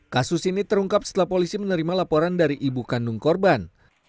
kasus ini terungkap setelah polisi menerima laporan dari ibu kandung korban